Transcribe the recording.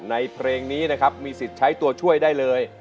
เพลงนี้นะครับมีสิทธิ์ใช้ตัวช่วยได้เลย